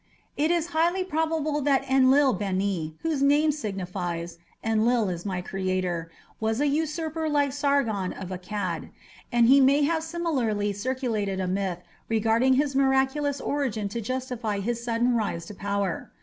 It is highly probable that Enlil bani, whose name signifies "Enlil is my creator", was a usurper like Sargon of Akkad, and he may have similarly circulated a myth regarding his miraculous origin to justify his sudden rise to power.